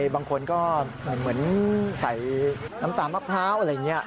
บางคนก็เหมือนใส่น้ำตาลมะพร้าวอะไรอย่างนี้